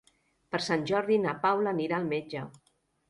Per Sant Jordi na Paula anirà al metge.